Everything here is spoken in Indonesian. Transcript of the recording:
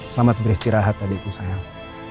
selamat beristirahat adikku sayang